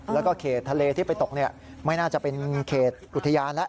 แล้วก็เขตทะเลที่ไปตกไม่น่าจะเป็นเขตอุทยานแล้ว